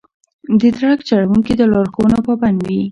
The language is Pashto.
د ټرک چلوونکي د لارښوونو پابند وي.